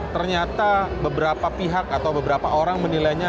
ternyata beberapa pihak atau beberapa orang menilainya